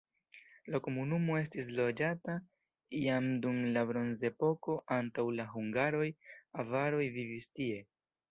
La komunumo estis loĝata jam dum la bronzepoko, antaŭ la hungaroj avaroj vivis tie.